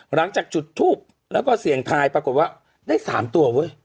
หลังจากจุดทูบแล้วก็เสี่ยงทายปรากฏว่าได้๓ตัวเว้ย